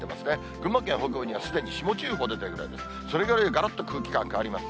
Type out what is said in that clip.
群馬県北部にはすでに霜注意報が出てるくらいで、それぐらいがらっと空気感変わります。